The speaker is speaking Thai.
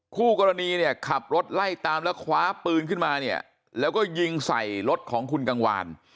คู่กรณีเนี่ยขับรถไล่ตามแล้วคว้าปืนขึ้นมาเนี่ยแล้วก็ยิงใส่รถของคุณกังวาน